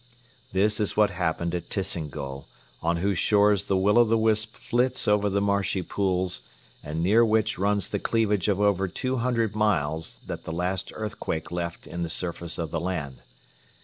This is what happened at Tisingol, on whose shores the will o' the wisp flits over the marshy pools and near which runs the cleavage of over two hundred miles that the last earthquake left in the surface of the land.